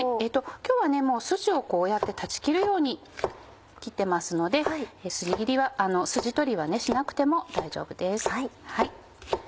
今日はもうスジをこうやって断ち切るように切ってますのでスジ取りはしなくても大丈夫です。